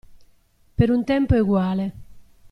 Per un tempo eguale.